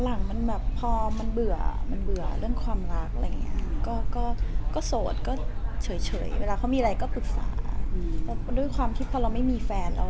แล้วที่มีใครเป็นเก่งต่อไหน